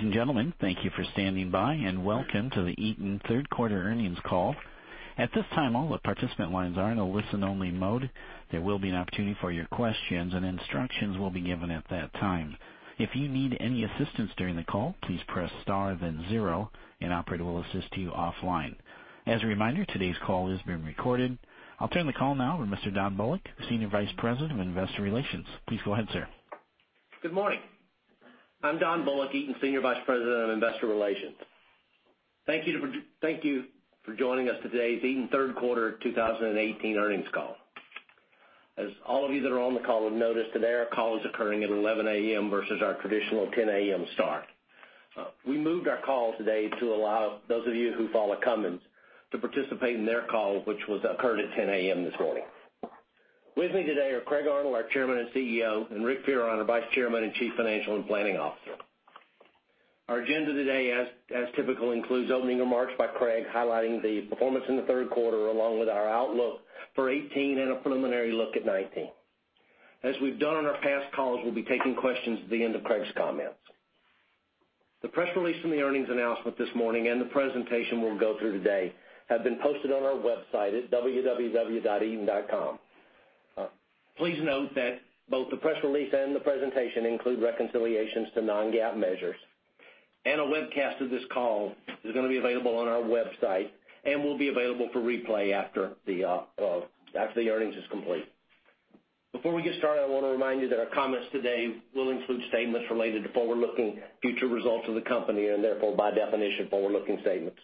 Ladies and gentlemen, thank you for standing by. Welcome to the Eaton third quarter earnings call. At this time, all the participant lines are in a listen-only mode. There will be an opportunity for your questions. Instructions will be given at that time. If you need any assistance during the call, please press star then zero. An operator will assist you offline. As a reminder, today's call is being recorded. I'll turn the call now over to Mr. Don Bullock, Senior Vice President of Investor Relations. Please go ahead, sir. Good morning. I'm Don Bullock, Eaton Senior Vice President of Investor Relations. Thank you for joining us today for the Eaton third quarter 2018 earnings call. As all of you that are on the call have noticed today, our call is occurring at 11:00 A.M. versus our traditional 10:00 A.M. start. We moved our call today to allow those of you who follow Cummins to participate in their call, which occurred at 10:00 A.M. this morning. With me today are Craig Arnold, our Chairman and CEO, and Rick Fearon, our Vice Chairman and Chief Financial and Planning Officer. Our agenda today, as typical, includes opening remarks by Craig highlighting the performance in the third quarter, along with our outlook for 2018 and a preliminary look at 2019. As we've done on our past calls, we'll be taking questions at the end of Craig's comments. The press release, the earnings announcement this morning, and the presentation we'll go through today, have been posted on our website at www.eaton.com. Please note that both the press release and the presentation include reconciliations to non-GAAP measures. A webcast of this call is going to be available on our website and will be available for replay after the earnings is complete. Before we get started, I want to remind you that our comments today will include statements related to forward-looking future results of the company. Therefore, by definition, forward-looking statements.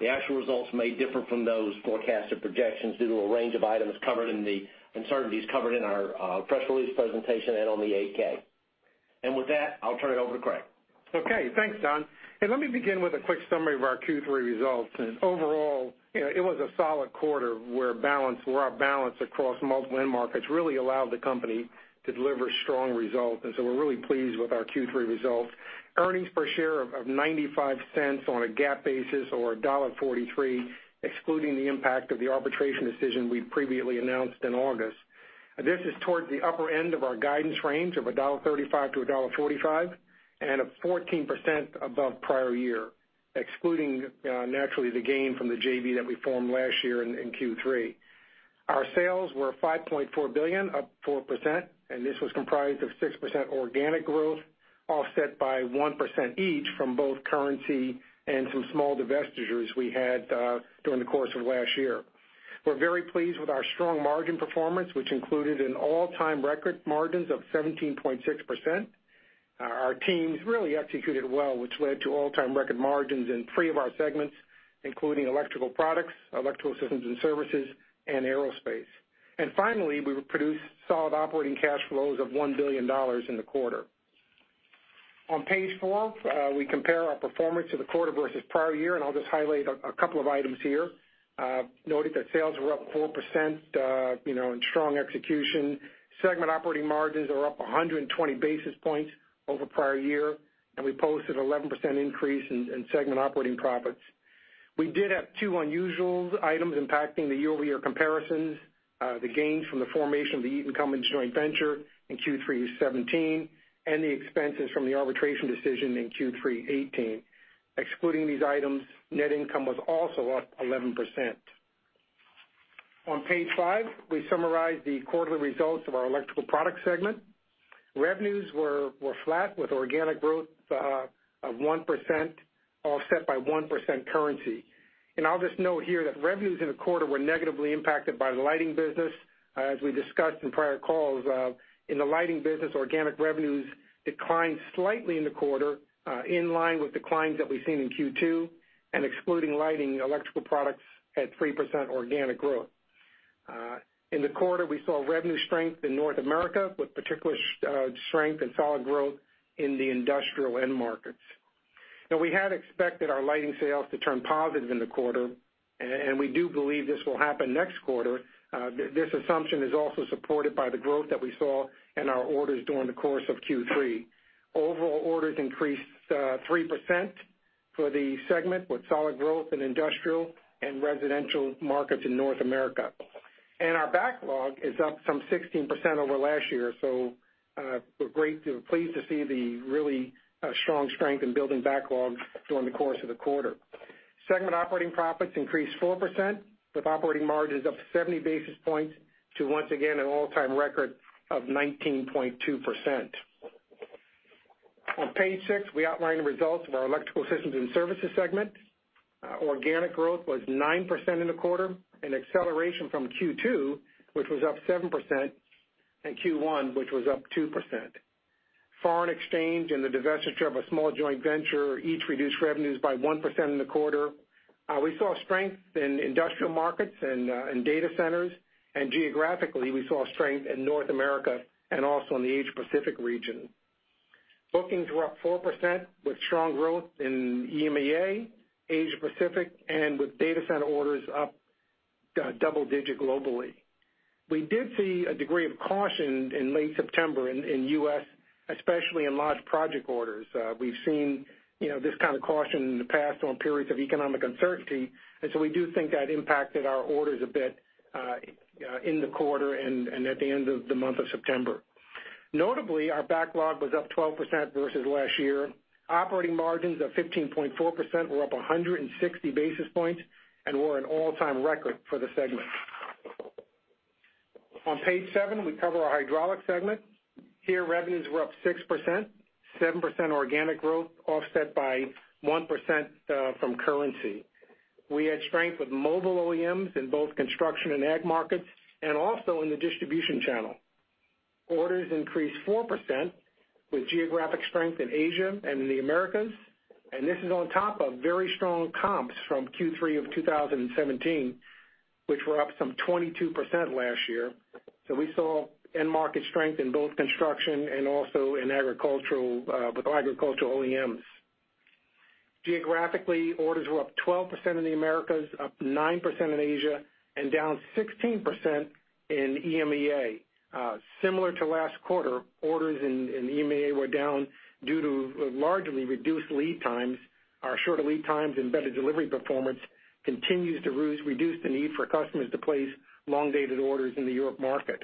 The actual results may differ from those forecasted projections due to a range of items covered and the uncertainties covered in our press release presentation and on the 8-K. With that, I'll turn it over to Craig. Okay. Thanks, Don. Let me begin with a quick summary of our Q3 results. Overall, it was a solid quarter where our balance across multiple end markets really allowed the company to deliver strong results. We're really pleased with our Q3 results. Earnings per share of $0.95 on a GAAP basis, or $1.43, excluding the impact of the arbitration decision we previously announced in August. This is towards the upper end of our guidance range of $1.35-$1.45, up 14% above prior year, excluding, naturally, the gain from the JV that we formed last year in Q3. Our sales were $5.4 billion, up 4%. This was comprised of 6% organic growth, offset by 1% each from both currency and some small divestitures we had during the course of last year. We're very pleased with our strong margin performance, which included an all-time record margins of 17.6%. Our teams really executed well, which led to all-time record margins in three of our segments, including electrical products, electrical systems and services, and aerospace. Finally, we produced solid operating cash flows of $1 billion in the quarter. On page four, we compare our performance to the quarter versus prior year, and I'll just highlight a couple of items here. Noted that sales were up 4%, and strong execution. Segment operating margins are up 120 basis points over prior year, and we posted an 11% increase in segment operating profits. We did have two unusual items impacting the year-over-year comparisons, the gains from the formation of the Eaton-Cummins joint venture in Q3 2017, and the expenses from the arbitration decision in Q3 2018. Excluding these items, net income was also up 11%. On page five, we summarize the quarterly results of our electrical products segment. Revenues were flat, with organic growth of 1%, offset by 1% currency. I'll just note here that revenues in the quarter were negatively impacted by the lighting business. As we discussed in prior calls, in the lighting business, organic revenues declined slightly in the quarter, in line with declines that we've seen in Q2, and excluding lighting electrical products at 3% organic growth. In the quarter, we saw revenue strength in North America, with particular strength and solid growth in the industrial end markets. We had expected our lighting sales to turn positive in the quarter, and we do believe this will happen next quarter. This assumption is also supported by the growth that we saw in our orders during the course of Q3. Overall orders increased 3% for the segment, with solid growth in industrial and residential markets in North America. Our backlog is up some 16% over last year. We're pleased to see the really strong strength in building backlogs during the course of the quarter. Segment operating profits increased 4%, with operating margins up 70 basis points to, once again, an all-time record of 19.2%. On page six, we outline the results of our electrical systems and services segment. Organic growth was 9% in the quarter, an acceleration from Q2, which was up 7%, and Q1, which was up 2%. Foreign exchange and the divestiture of a small joint venture each reduced revenues by 1% in the quarter. We saw strength in industrial markets and data centers, and geographically, we saw strength in North America and also in the Asia Pacific region. Bookings were up 4%, with strong growth in EMEA, Asia Pacific, and with data center orders up double-digit globally. We did see a degree of caution in late September in U.S., especially in large project orders. We've seen this kind of caution in the past on periods of economic uncertainty, we do think that impacted our orders a bit, in the quarter and at the end of the month of September. Notably, our backlog was up 12% versus last year. Operating margins of 15.4% were up 160 basis points and were an all-time record for the segment. On page seven, we cover our hydraulics segment. Here, revenues were up 6%, 7% organic growth offset by 1% from currency. We had strength with mobile OEMs in both construction and ag markets, and also in the distribution channel. Orders increased 4% with geographic strength in Asia and in the Americas. This is on top of very strong comps from Q3 2017, which were up some 22% last year. We saw end market strength in both construction and also with agricultural OEMs. Geographically, orders were up 12% in the Americas, up 9% in Asia, and down 16% in EMEA. Similar to last quarter, orders in EMEA were down due to largely reduced lead times. Our shorter lead times and better delivery performance continues to reduce the need for customers to place long-dated orders in the Europe market.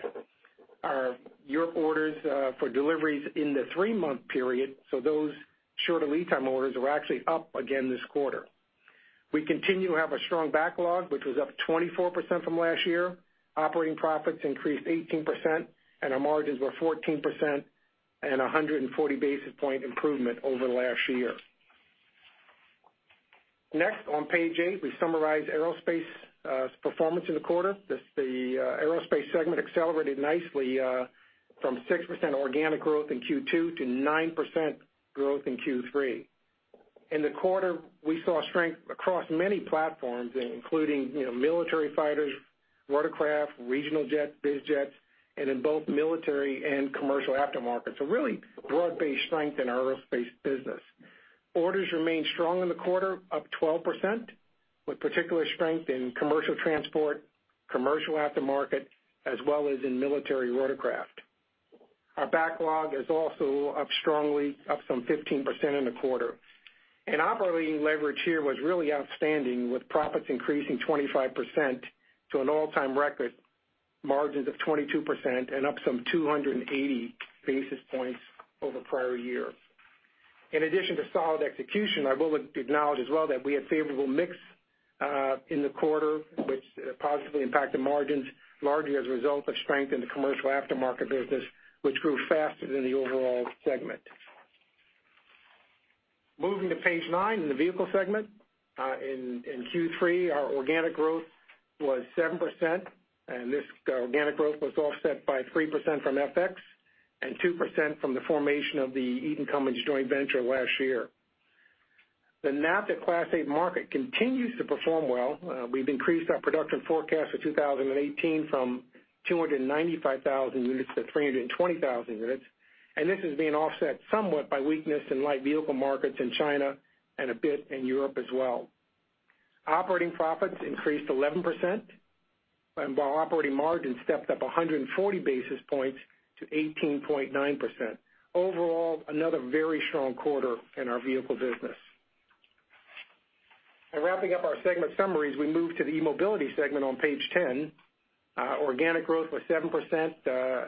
Our Europe orders for deliveries in the three-month period, so those shorter lead time orders were actually up again this quarter. We continue to have a strong backlog, which was up 24% from last year. Operating profits increased 18%, our margins were 14% and 140 basis point improvement over last year. On page eight, we summarize aerospace performance in the quarter. The aerospace segment accelerated nicely from 6% organic growth in Q2 to 9% growth in Q3. In the quarter, we saw strength across many platforms, including military fighters, rotorcraft, regional jets, biz jets, and in both military and commercial aftermarket. Really broad-based strength in our aerospace business. Orders remained strong in the quarter, up 12%, with particular strength in commercial transport, commercial aftermarket, as well as in military rotorcraft. Our backlog is also up strongly, up some 15% in the quarter. Operating leverage here was really outstanding with profits increasing 25% to an all-time record margins of 22% and up some 280 basis points over prior years. In addition to solid execution, I will acknowledge as well that we had favorable mix in the quarter, which positively impacted margins largely as a result of strength in the commercial aftermarket business, which grew faster than the overall segment. Moving to page nine in the vehicle segment. In Q3, our organic growth was 7%. This organic growth was offset by 3% from FX and 2% from the formation of the Eaton Cummins joint venture last year. The NAFTA Class 8 market continues to perform well. We've increased our production forecast for 2018 from 295,000 units to 320,000 units. This is being offset somewhat by weakness in light vehicle markets in China and a bit in Europe as well. Operating profits increased 11%, while operating margin stepped up 140 basis points to 18.9%. Overall, another very strong quarter in our vehicle business. Wrapping up our segment summaries, we move to the eMobility segment on page 10. Organic growth was 7%.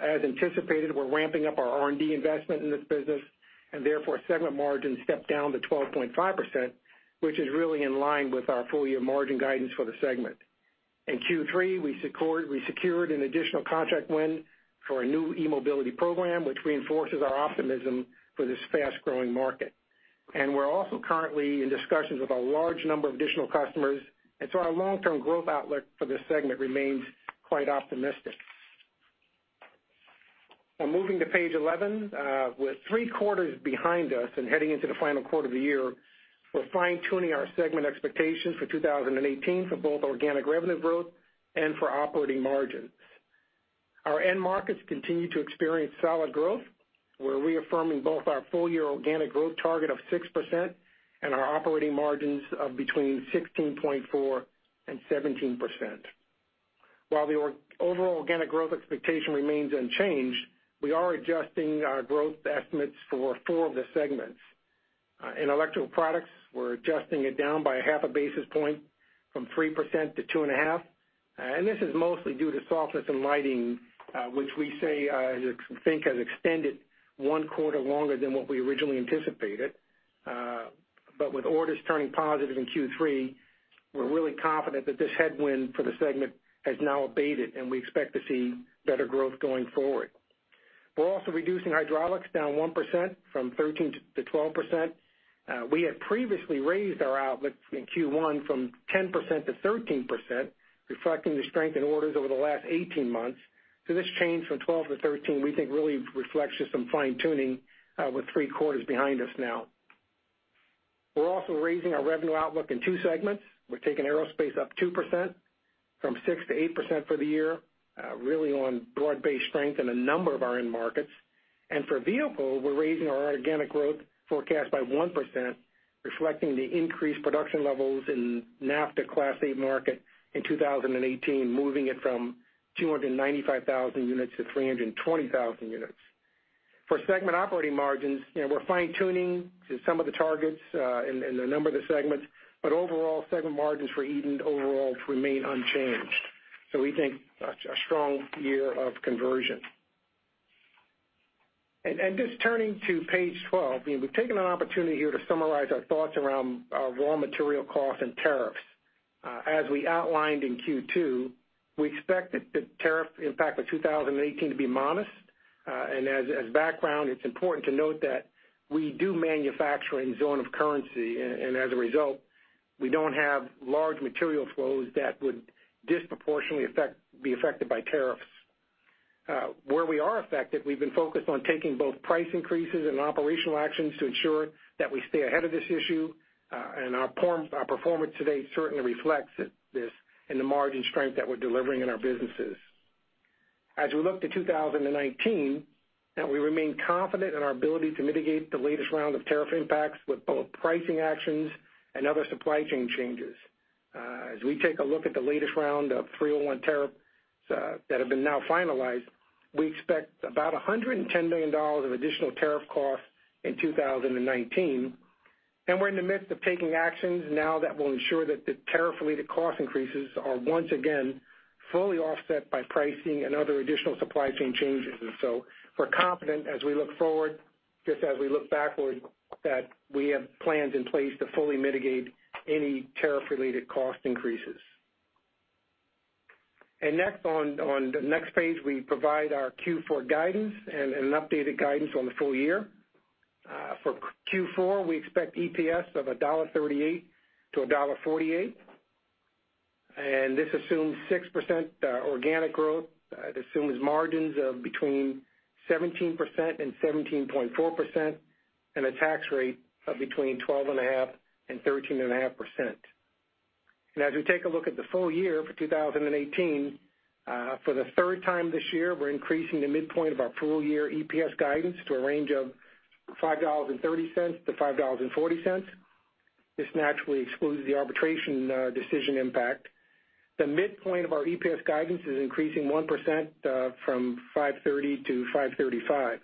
As anticipated, we're ramping up our R&D investment in this business. Therefore, segment margins stepped down to 12.5%, which is really in line with our full-year margin guidance for the segment. In Q3, we secured an additional contract win for a new eMobility program, which reinforces our optimism for this fast-growing market. We're also currently in discussions with a large number of additional customers. Our long-term growth outlook for this segment remains quite optimistic. Moving to page 11. With three quarters behind us and heading into the final quarter of the year, we're fine-tuning our segment expectations for 2018 for both organic revenue growth and for operating margins. Our end markets continue to experience solid growth. We're reaffirming both our full-year organic growth target of 6% and our operating margins of between 16.4% and 17%. While the overall organic growth expectation remains unchanged, we are adjusting our growth estimates for four of the segments. In electrical products, we're adjusting it down by half a basis point from 3% to 2.5%. This is mostly due to softness in lighting, which we think has extended one quarter longer than what we originally anticipated. With orders turning positive in Q3, we're really confident that this headwind for the segment has now abated, and we expect to see better growth going forward. We're also reducing hydraulics down 1% from 13% to 12%. We had previously raised our outlook in Q1 from 10% to 13%, reflecting the strength in orders over the last 18 months. This change from 12 to 13, we think really reflects just some fine-tuning, with three quarters behind us now. We're also raising our revenue outlook in two segments. We're taking aerospace up 2%, from 6% to 8% for the year, really on broad-based strength in a number of our end markets. For vehicle, we're raising our organic growth forecast by 1%, reflecting the increased production levels in NAFTA Class 8 market in 2018, moving it from 295,000 units to 320,000 units. For segment operating margins, we're fine-tuning to some of the targets in a number of the segments, but overall segment margins for Eaton overall remain unchanged. We think a strong year of conversion. Just turning to page 12, we've taken an opportunity here to summarize our thoughts around raw material costs and tariffs. As we outlined in Q2, we expect that the tariff impact for 2018 to be modest. As background, it's important to note that we do manufacture in zone of currency, and as a result, we don't have large material flows that would disproportionately be affected by tariffs. Where we are affected, we've been focused on taking both price increases and operational actions to ensure that we stay ahead of this issue. Our performance today certainly reflects this in the margin strength that we're delivering in our businesses. As we look to 2019, we remain confident in our ability to mitigate the latest round of tariff impacts with both pricing actions and other supply chain changes. As we take a look at the latest round of Section 301 tariffs that have been now finalized, we expect about $110 million of additional tariff costs in 2019, and we're in the midst of taking actions now that will ensure that the tariff-related cost increases are once again fully offset by pricing and other additional supply chain changes. We're confident as we look forward, just as we look backward, that we have plans in place to fully mitigate any tariff-related cost increases. Next on the next page, we provide our Q4 guidance and an updated guidance on the full year. For Q4, we expect EPS of $1.38 to $1.48. This assumes 6% organic growth. It assumes margins of between 17% and 17.4%, and a tax rate of between 12.5% and 13.5%. As we take a look at the full year for 2018, for the third time this year, we're increasing the midpoint of our full-year EPS guidance to a range of $5.30-$5.40. This naturally excludes the arbitration decision impact. The midpoint of our EPS guidance is increasing 1% from $5.30-$5.35.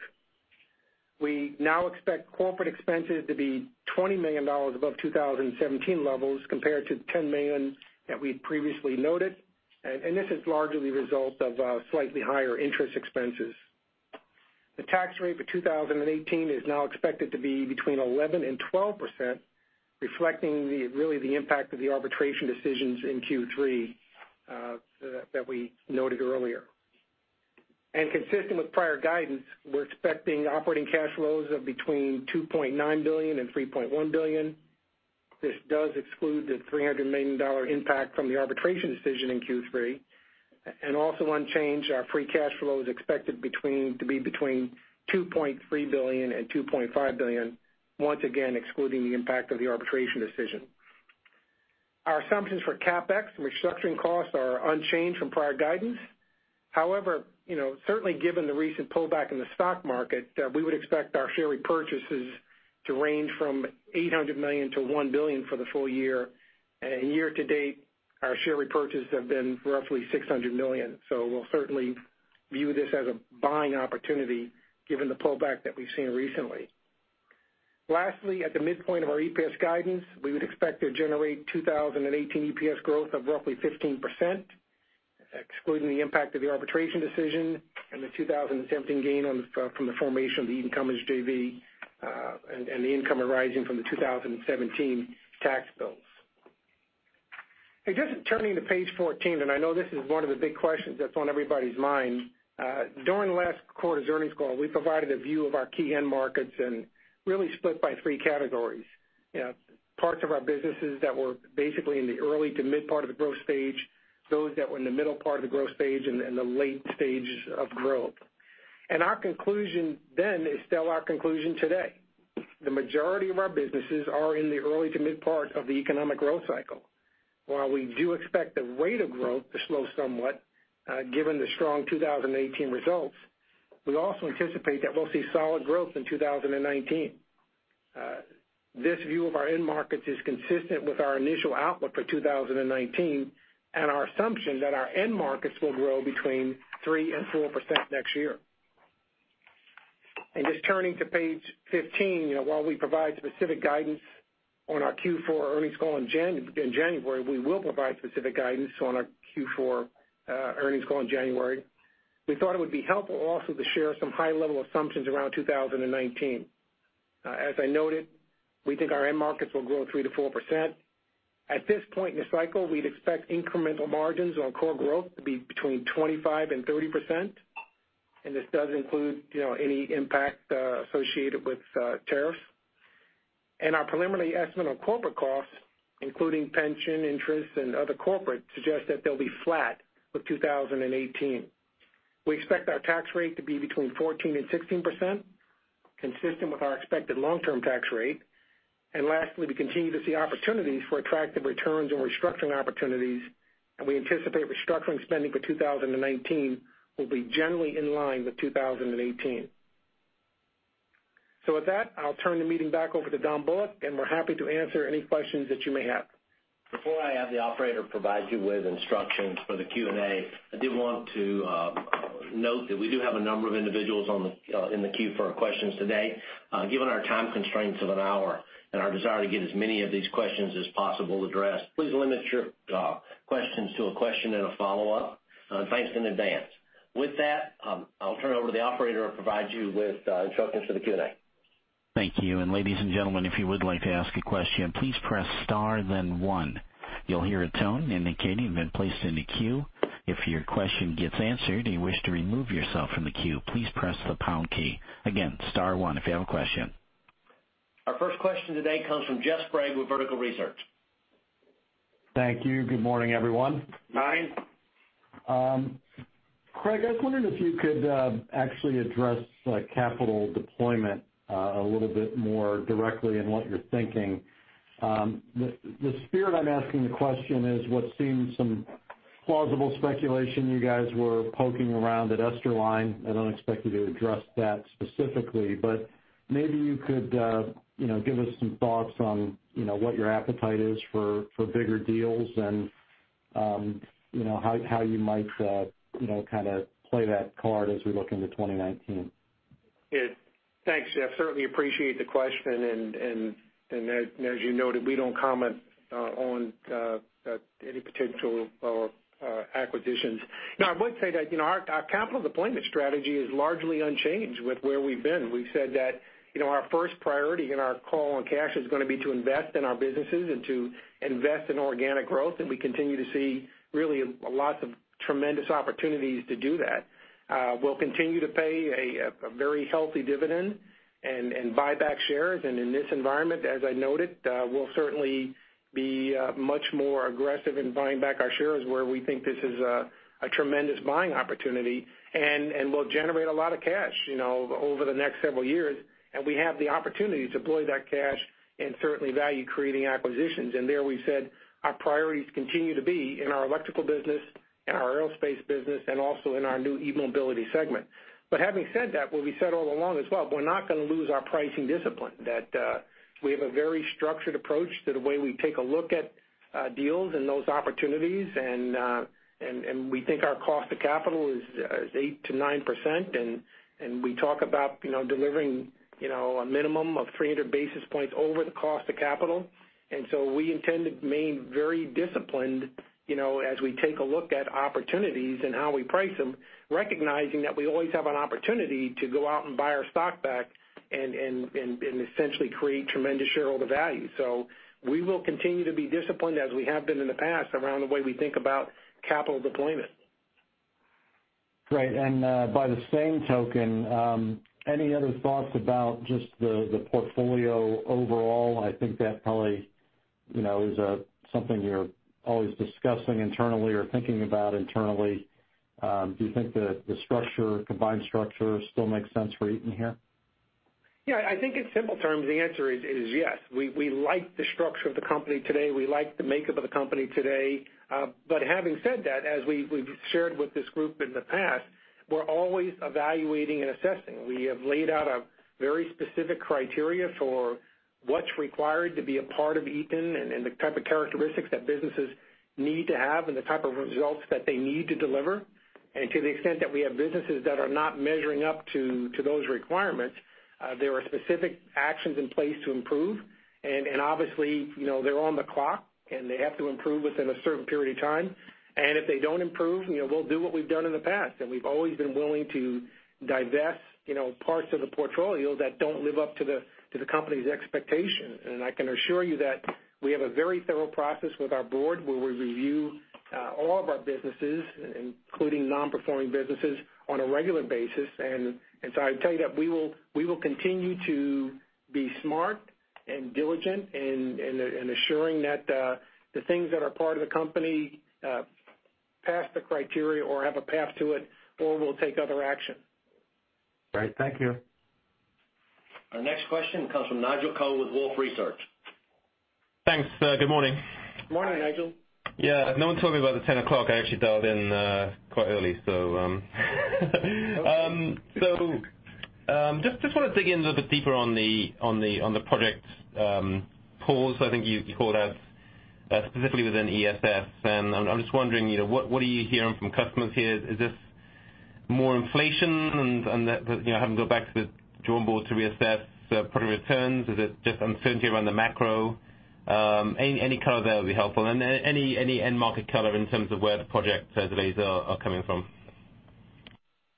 We now expect corporate expenses to be $20 million above 2017 levels compared to the $10 million that we had previously noted, and this is largely the result of slightly higher interest expenses. The tax rate for 2018 is now expected to be between 11% and 12%, reflecting really the impact of the arbitration decisions in Q3 that we noted earlier. Consistent with prior guidance, we're expecting operating cash flows of between $2.9 billion and $3.1 billion. This does exclude the $300 million impact from the arbitration decision in Q3. Also unchanged, our free cash flow is expected to be between $2.3 billion and $2.5 billion, once again, excluding the impact of the arbitration decision. Our assumptions for CapEx and restructuring costs are unchanged from prior guidance. Certainly given the recent pullback in the stock market, we would expect our share repurchases to range from $800 million-$1 billion for the full year. Year to date, our share repurchases have been roughly $600 million. We'll certainly view this as a buying opportunity given the pullback that we've seen recently. Lastly, at the midpoint of our EPS guidance, we would expect to generate 2018 EPS growth of roughly 15%, excluding the impact of the arbitration decision and the 2017 gain from the formation of the Eaton Cummins JV and the income arising from the 2017 tax bills. Just turning to page 14, and I know this is one of the big questions that's on everybody's mind. During last quarter's earnings call, we provided a view of our key end markets and really split by three categories. Parts of our businesses that were basically in the early to mid part of the growth stage, those that were in the middle part of the growth stage, and the late stages of growth. Our conclusion then is still our conclusion today. The majority of our businesses are in the early to mid part of the economic growth cycle. While we do expect the rate of growth to slow somewhat given the strong 2018 results, we also anticipate that we'll see solid growth in 2019. This view of our end markets is consistent with our initial outlook for 2019 and our assumption that our end markets will grow between 3% and 4% next year. Just turning to page 15, while we provide specific guidance on our Q4 earnings call in January, we will provide specific guidance on our Q4 earnings call in January. We thought it would be helpful also to share some high-level assumptions around 2019. As I noted, we think our end markets will grow 3%-4%. At this point in the cycle, we'd expect incremental margins on core growth to be between 25% and 30%, and this does include any impact associated with tariffs. Our preliminary estimate on corporate costs, including pension, interest, and other corporate, suggests that they'll be flat with 2018. We expect our tax rate to be between 14% and 16%, consistent with our expected long-term tax rate. Lastly, we continue to see opportunities for attractive returns on restructuring opportunities, and we anticipate restructuring spending for 2019 will be generally in line with 2018. With that, I'll turn the meeting back over to Don Bullock, and we're happy to answer any questions that you may have. Before I have the operator provide you with instructions for the Q&A, I did want to note that we do have a number of individuals in the queue for questions today. Given our time constraints of one hour and our desire to get as many of these questions as possible addressed, please limit your questions to one question and one follow-up. Thanks in advance. With that, I'll turn it over to the operator who will provide you with instructions for the Q&A. Thank you. Ladies and gentlemen, if you would like to ask a question, please press star then one. You'll hear a tone indicating you've been placed in the queue. If your question gets answered and you wish to remove yourself from the queue, please press the pound key. Again, star one if you have a question. Our first question today comes from Jeff Sprague with Vertical Research. Thank you. Good morning, everyone. Morning. Craig, I was wondering if you could actually address capital deployment a little bit more directly and what you're thinking. The spirit I'm asking the question is what seems some plausible speculation you guys were poking around at Esterline. I don't expect you to address that specifically, but maybe you could give us some thoughts on what your appetite is for bigger deals and how you might kind of play that card as we look into 2019. Yeah. Thanks, Jeff, certainly appreciate the question. As you noted, we don't comment on any potential acquisitions. I would say that our capital deployment strategy is largely unchanged with where we've been. We've said that our first priority in our call on cash is going to be to invest in our businesses and to invest in organic growth, and we continue to see really lots of tremendous opportunities to do that. We'll continue to pay a very healthy dividend and buy back shares. In this environment, as I noted, we'll certainly be much more aggressive in buying back our shares where we think this is a tremendous buying opportunity, and we'll generate a lot of cash over the next several years. We have the opportunity to deploy that cash in certainly value-creating acquisitions. There we said our priorities continue to be in our electrical business, in our aerospace business, and also in our new eMobility segment. Having said that, what we said all along as well, we're not going to lose our pricing discipline, that we have a very structured approach to the way we take a look at deals and those opportunities. We think our cost of capital is 8% to 9%, and we talk about delivering a minimum of 300 basis points over the cost of capital. We intend to remain very disciplined, as we take a look at opportunities and how we price them, recognizing that we always have an opportunity to go out and buy our stock back and essentially create tremendous shareholder value. We will continue to be disciplined as we have been in the past around the way we think about capital deployment. Great. By the same token, any other thoughts about just the portfolio overall? I think that probably is something you're always discussing internally or thinking about internally. Do you think the combined structure still makes sense for Eaton here? I think in simple terms, the answer is yes. We like the structure of the company today. We like the makeup of the company today. Having said that, as we've shared with this group in the past, we're always evaluating and assessing. We have laid out a very specific criteria for what's required to be a part of Eaton and the type of characteristics that businesses need to have and the type of results that they need to deliver. To the extent that we have businesses that are not measuring up to those requirements, there are specific actions in place to improve. Obviously, they're on the clock, and they have to improve within a certain period of time. If they don't improve, we'll do what we've done in the past. We've always been willing to divest parts of the portfolio that don't live up to the company's expectations. I can assure you that we have a very thorough process with our board, where we review all of our businesses, including non-performing businesses, on a regular basis. I can tell you that we will continue to be smart and diligent in assuring that the things that are part of the company pass the criteria or have a path to it, or we'll take other action. Great. Thank you. Our next question comes from Nigel Coe with Wolfe Research. Thanks. Good morning. Morning, Nigel. Yeah. No one told me about the 10:00 o'clock. I actually dialed in quite early. Just want to dig in a little bit deeper on the project pause, I think you called out specifically within ESS. I'm just wondering, what are you hearing from customers here? Is this more inflation and having to go back to the drawing board to reassess product returns? Is it just uncertainty around the macro? Any color there would be helpful. Any end market color in terms of where the project delays are coming from.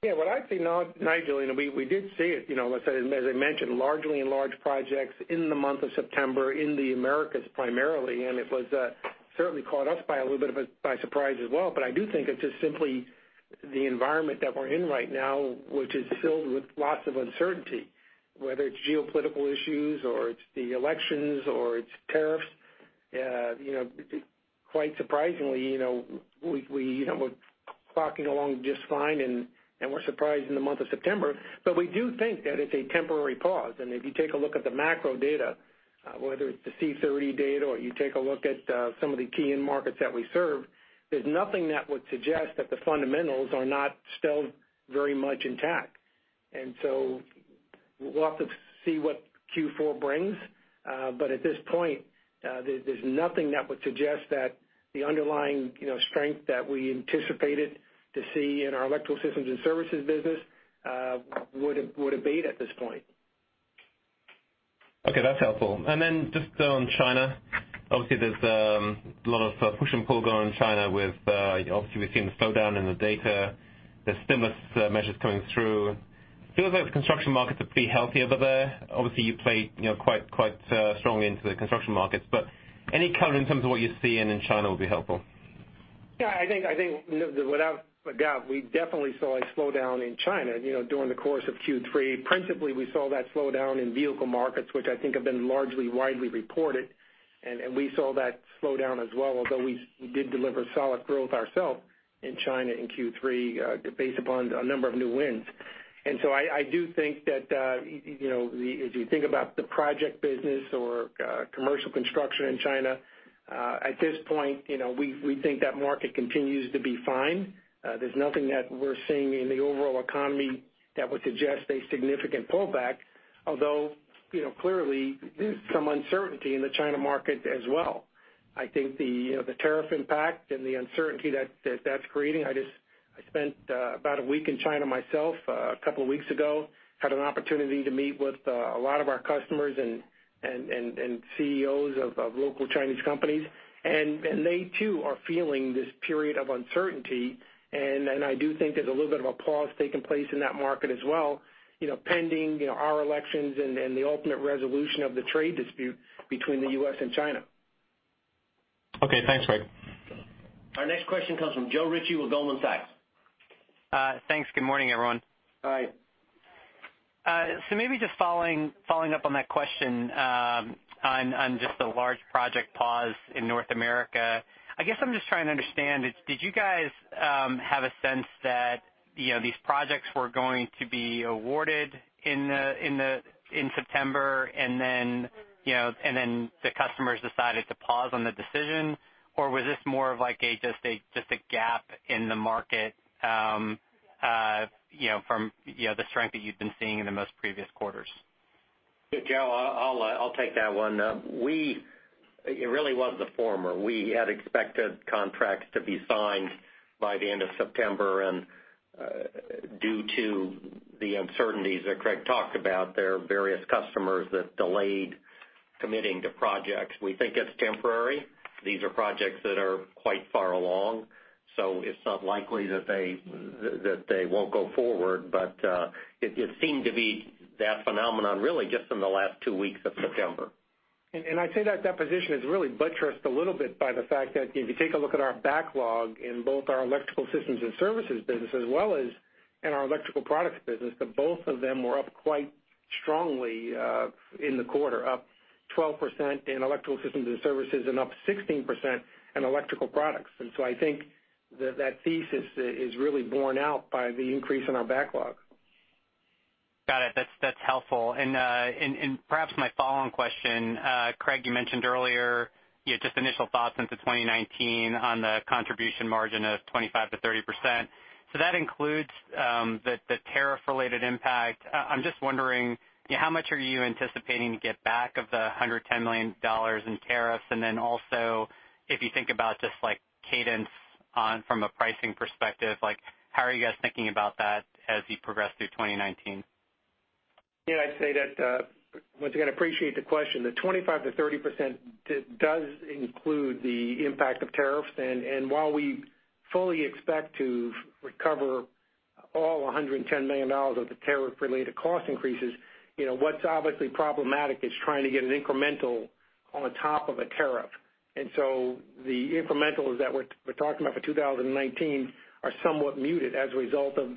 Yeah. What I see now, Nigel, we did see it, as I mentioned, largely in large projects in the month of September in the Americas primarily. It certainly caught us by a little bit of surprise as well. I do think it's just simply the environment that we're in right now, which is filled with lots of uncertainty, whether it's geopolitical issues or it's the elections or it's tariffs. Quite surprisingly, we're clocking along just fine. We're surprised in the month of September. We do think that it's a temporary pause. If you take a look at the macro data, whether it's the C30 data or you take a look at some of the key end markets that we serve, there's nothing that would suggest that the fundamentals are not still very much intact. We'll have to see what Q4 brings. At this point, there's nothing that would suggest that the underlying strength that we anticipated to see in our electrical systems and services business would abate at this point. Okay, that's helpful. Just on China, obviously there's a lot of push and pull going on in China with, obviously we've seen the slowdown in the data, the stimulus measures coming through. It feels like the construction markets are pretty healthy over there. Obviously, you play quite strongly into the construction markets, any color in terms of what you're seeing in China would be helpful. I think, without a doubt, we definitely saw a slowdown in China during the course of Q3. Principally, we saw that slowdown in vehicle markets, which I think have been largely widely reported. We saw that slowdown as well, although we did deliver solid growth ourselves in China in Q3, based upon a number of new wins. I do think that, as you think about the project business or commercial construction in China, at this point, we think that market continues to be fine. There's nothing that we're seeing in the overall economy that would suggest a significant pullback, although clearly there's some uncertainty in the China market as well. I think the tariff impact and the uncertainty that's creating, I spent about a week in China myself a couple of weeks ago, had an opportunity to meet with a lot of our customers and CEOs of local Chinese companies. They too are feeling this period of uncertainty. I do think there's a little bit of a pause taking place in that market as well, pending our elections and the ultimate resolution of the trade dispute between the U.S. and China. Okay. Thanks, Craig. Our next question comes from Joe Ritchie with Goldman Sachs. Thanks. Good morning, everyone. Hi. Maybe just following up on that question on just the large project pause in North America. I guess I'm just trying to understand, did you guys have a sense that these projects were going to be awarded in September and then the customers decided to pause on the decision? Or was this more of just a gap in the market from the strength that you'd been seeing in the most previous quarters? Joe, I'll take that one. It really was the former. We had expected contracts to be signed by the end of September, due to the uncertainties that Craig talked about, there are various customers that delayed committing to projects. We think it's temporary. These are projects that are quite far along, so it's not likely that they won't go forward. It seemed to be that phenomenon really just in the last two weeks of September. I'd say that position is really buttressed a little bit by the fact that if you take a look at our backlog in both our electrical systems and services business, as well as in our electrical products business, that both of them were up quite strongly in the quarter, up 12% in electrical systems and services and up 16% in electrical products. I think that thesis is really borne out by the increase in our backlog. Got it. That's helpful. Perhaps my follow-on question, Craig, you mentioned earlier just initial thoughts into 2019 on the contribution margin of 25%-30%. That includes the tariff-related impact. I'm just wondering how much are you anticipating to get back of the $110 million in tariffs? Also, if you think about just cadence from a pricing perspective, how are you guys thinking about that as you progress through 2019? Yeah, I'd say that, once again, appreciate the question. The 25%-30% does include the impact of tariffs. While we fully expect to recover all $110 million of the tariff-related cost increases, what's obviously problematic is trying to get an incremental on top of a tariff. The incrementals that we're talking about for 2019 are somewhat muted as a result of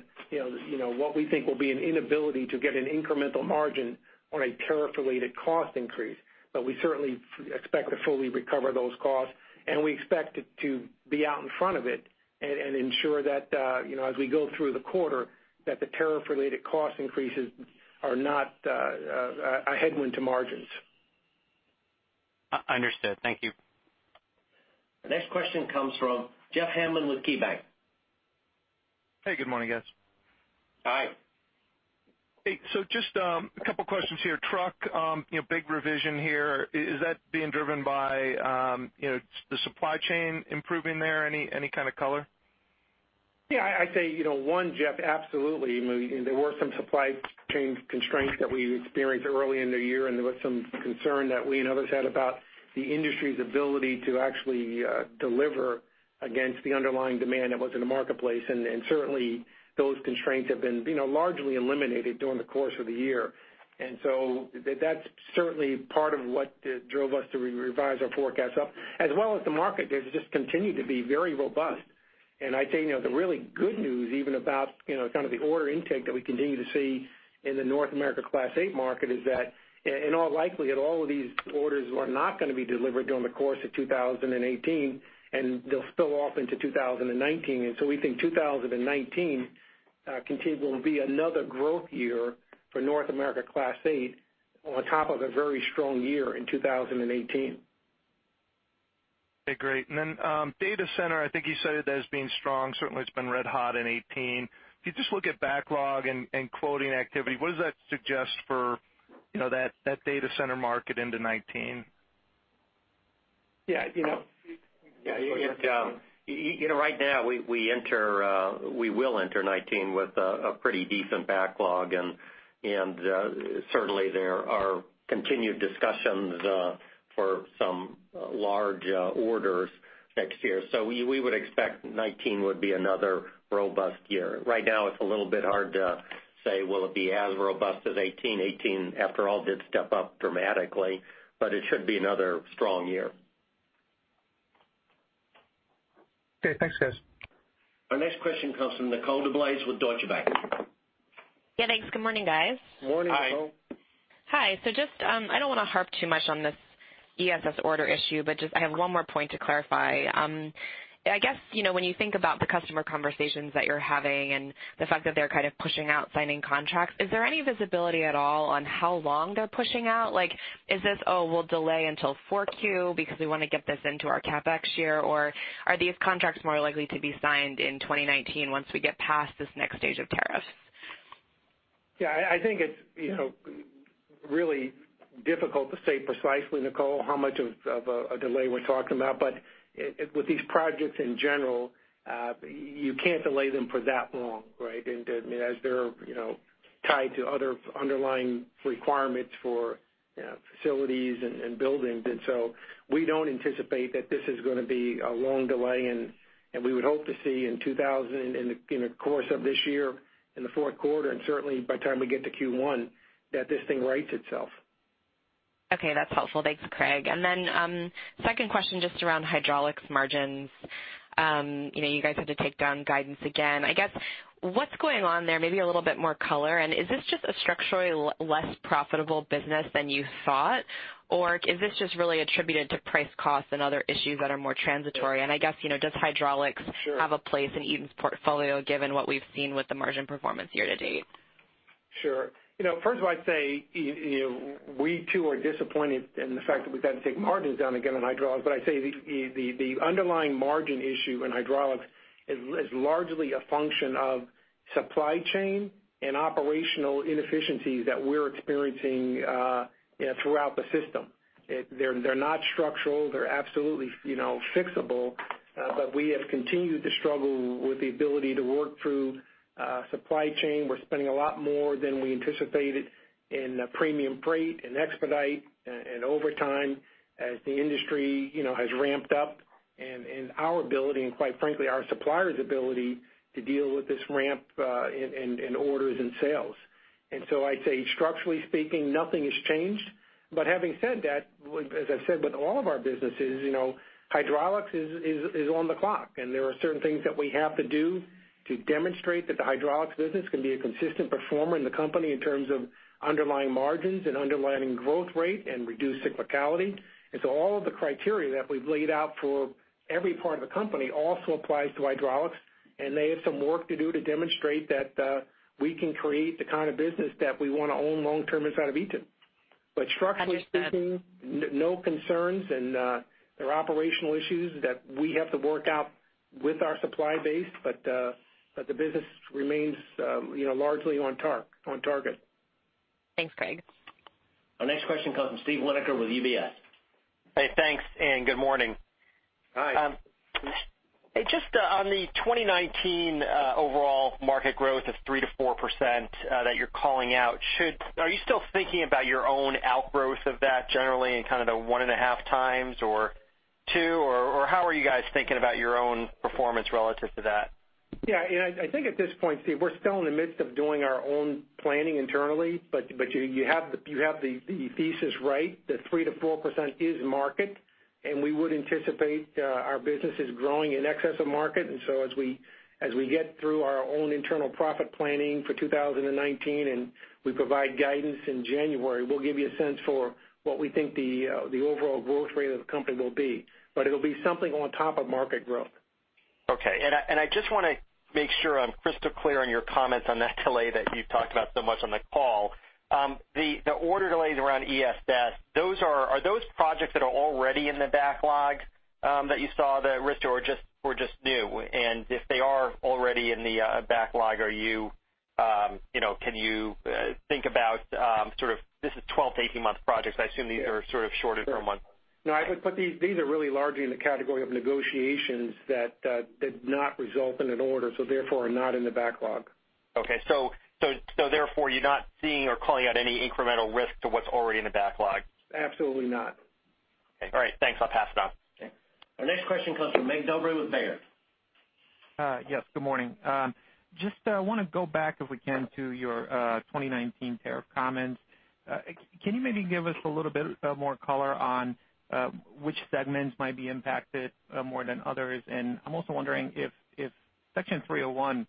what we think will be an inability to get an incremental margin on a tariff-related cost increase. We certainly expect to fully recover those costs, and we expect to be out in front of it and ensure that as we go through the quarter, that the tariff-related cost increases are not a headwind to margins. Understood. Thank you. The next question comes from Jeff Hammond with KeyBank. Hey, good morning, guys. Hi. Hey, just a couple of questions here. Truck, big revision here. Is that being driven by the supply chain improving there? Any kind of color? Yeah, I'd say, one, Jeff, absolutely. There were some supply chain constraints that we experienced early in the year, and there was some concern that we and others had about the industry's ability to actually deliver against the underlying demand that was in the marketplace. Certainly, those constraints have been largely eliminated during the course of the year. That's certainly part of what drove us to revise our forecast up, as well as the market there has just continued to be very robust. I'd say, the really good news even about kind of the order intake that we continue to see in the North America Class 8 market is that in all likely, all of these orders are not going to be delivered during the course of 2018, and they'll spill off into 2019. We think 2019 continues to be another growth year for North America Class 8 on top of a very strong year in 2018. Okay, great. Then data center, I think you said it as being strong. Certainly, it's been red hot in 2018. If you just look at backlog and quoting activity, what does that suggest for that data center market into 2019? Yeah. Right now, we will enter 2019 with a pretty decent backlog, and certainly there are continued discussions for some large orders next year. We would expect 2019 would be another robust year. Right now it's a little bit hard to say will it be as robust as 2018. 2018, after all, did step up dramatically, but it should be another strong year. Okay, thanks, guys. Our next question comes from Nicole DeBlase with Deutsche Bank. Yeah, thanks. Good morning, guys. Morning, Nicole. Hi. Just, I don't want to harp too much on this ESS order issue, but just I have one more point to clarify. I guess, when you think about the customer conversations that you're having and the fact that they're kind of pushing out signing contracts, is there any visibility at all on how long they're pushing out? Like, is this, "Oh, we'll delay until 4Q because we want to get this into our CapEx year," or are these contracts more likely to be signed in 2019 once we get past this next stage of tariffs? Yeah, I think it's really difficult to say precisely, Nicole, how much of a delay we're talking about. With these projects in general, you can't delay them for that long, right? As they're tied to other underlying requirements for facilities and buildings. We don't anticipate that this is going to be a long delay, and we would hope to see in the course of this year, in the fourth quarter, and certainly by the time we get to Q1, that this thing rights itself. Okay, that's helpful. Thanks, Craig. Second question, just around hydraulics margins. You guys had to take down guidance again. I guess, what's going on there? Maybe a little bit more color. Is this just a structurally less profitable business than you thought, or is this just really attributed to price costs and other issues that are more transitory? I guess, does hydraulics have a place in Eaton's portfolio, given what we've seen with the margin performance year to date? Sure. First of all, I'd say, we too are disappointed in the fact that we've had to take margins down again on hydraulics. I'd say the underlying margin issue in hydraulics is largely a function of supply chain and operational inefficiencies that we're experiencing throughout the system. They're not structural. They're absolutely fixable. We have continued to struggle with the ability to work through supply chain. We're spending a lot more than we anticipated in premium freight and expedite and overtime as the industry has ramped up, and our ability, and quite frankly, our suppliers' ability to deal with this ramp in orders and sales. I'd say structurally speaking, nothing has changed. Having said that, as I've said with all of our businesses, hydraulics is on the clock. There are certain things that we have to do to demonstrate that the hydraulics business can be a consistent performer in the company in terms of underlying margins and underlying growth rate and reduced cyclicality. All of the criteria that we've laid out for every part of the company also applies to hydraulics, and they have some work to do to demonstrate that we can create the kind of business that we want to own long-term inside of Eaton. Structurally speaking, no concerns, there are operational issues that we have to work out with our supply base, but the business remains largely on target. Thanks, Craig. Our next question comes from Steve Winoker with UBS. Hey, thanks, and good morning. Hi. Hey, just on the 2019 overall market growth of 3%-4% that you're calling out, are you still thinking about your own outgrowth of that generally in kind of the one and a half times or two, or how are you guys thinking about your own performance relative to that? Yeah. I think at this point, Steve, we're still in the midst of doing our own planning internally. You have the thesis right. The 3%-4% is market, and we would anticipate our business is growing in excess of market. As we get through our own internal profit planning for 2019, and we provide guidance in January, we'll give you a sense for what we think the overall growth rate of the company will be. It'll be something on top of market growth. Okay. I just want to make sure I'm crystal clear on your comments on that delay that you've talked about so much on the call. The order delays around ESS, are those projects that are already in the backlog that you saw the risk, or just new? If they are already in the backlog, can you think about sort of, this is 12 to 18-month projects. I assume these are sort of shorter term ones. No. These are really largely in the category of negotiations that did not result in an order, therefore are not in the backlog. Okay. Therefore, you're not seeing or calling out any incremental risk to what's already in the backlog. Absolutely not. Okay. All right, thanks. I'll pass it on. Okay. Our next question comes from Mig Dobre with Baird. Yes, good morning. Just want to go back, if we can, to your 2019 tariff comments. Can you maybe give us a little bit more color on which segments might be impacted more than others? I'm also wondering if Section 301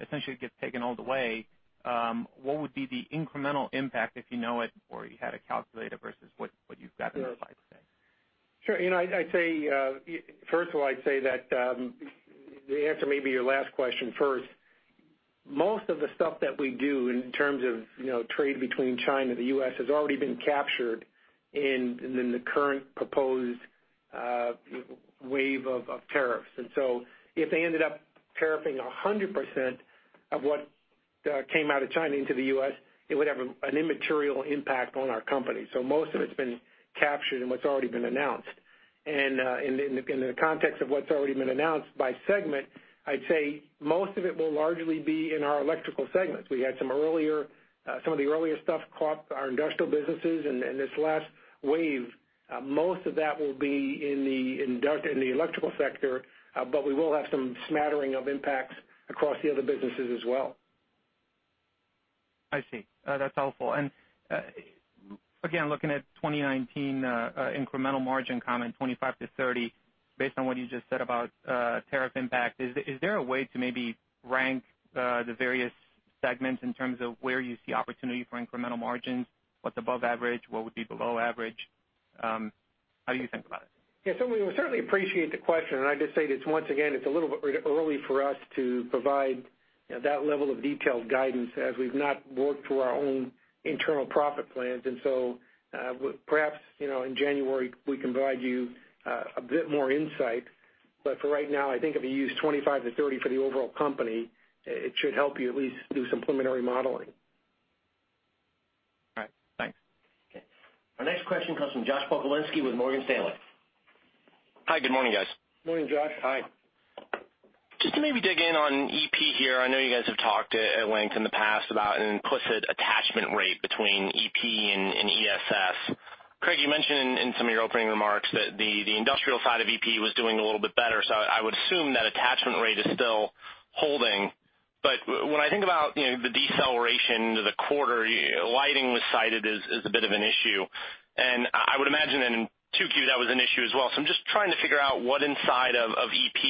essentially gets taken all the way, what would be the incremental impact, if you know it or you had to calculate it, versus what you've got in the slide today? Sure. First of all, I'd say that the answer may be your last question first. Most of the stuff that we do in terms of trade between China, the U.S. has already been captured in the current proposed wave of tariffs. If they ended up tariffing 100% of what came out of China into the U.S., it would have an immaterial impact on our company. Most of it's been captured in what's already been announced. In the context of what's already been announced by segment, I'd say most of it will largely be in our electrical segment. We had some of the earlier stuff caught our industrial businesses, and this last wave, most of that will be in the electrical sector. We will have some smattering of impacts across the other businesses as well. I see. That's helpful. Again, looking at 2019 incremental margin comment, 25%-30%, based on what you just said about tariff impact, is there a way to maybe rank the various segments in terms of where you see opportunity for incremental margins? What's above average, what would be below average? How do you think about it? Yeah. We certainly appreciate the question, I just say this once again, it's a little bit early for us to provide that level of detailed guidance as we've not worked through our own internal profit plans. Perhaps, in January, we can provide you a bit more insight. For right now, I think if you use 25%-30% for the overall company, it should help you at least do some preliminary modeling. All right. Thanks. Okay. Our next question comes from Josh Pokrzywinski with Morgan Stanley. Hi, good morning, guys. Morning, Josh. Hi. Maybe dig in on EP here. I know you guys have talked at length in the past about an implicit attachment rate between EP and ESS. Craig, you mentioned in some of your opening remarks that the industrial side of EP was doing a little bit better, I would assume that attachment rate is still holding. When I think about the deceleration to the quarter, lighting was cited as a bit of an issue, and I would imagine in 2Q that was an issue as well. I'm just trying to figure out what inside of EP